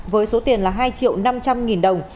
với số tiền là hai triệu năm trăm linh nghìn đồng